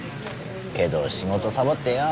けど仕事サボってよ。